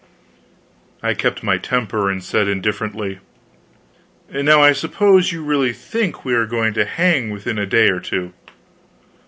I kept my temper, and said, indifferently: "Now I suppose you really think we are going to hang within a day or two."